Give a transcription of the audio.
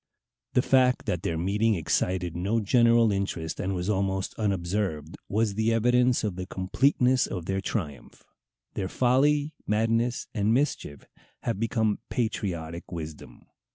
The fact that their meeting excited no general interest, and was almost unobserved, was the evidence of the completeness of their triumph. Their "folly, madness, and mischief" have become patriotic wisdom.